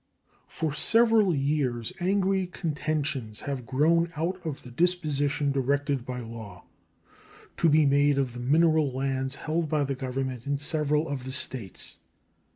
For several years angry contentions have grown out of the disposition directed by law to be made of the mineral lands held by the Government in several of the States.